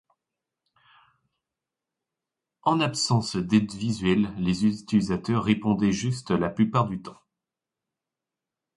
En absence d’aide visuelle, les utilisateurs répondaient juste la plupart du temps.